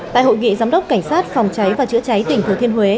tại hội nghị giám đốc cảnh sát phòng cháy và chữa cháy tỉnh thừa thiên huế